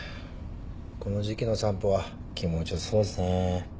この時季の散歩は気持ちよさそうですね。